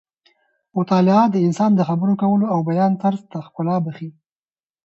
مطالعه د انسان د خبرو کولو او بیان طرز ته ښکلا بښي.